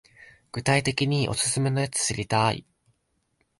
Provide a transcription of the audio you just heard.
具体的にオススメのやつ知りたい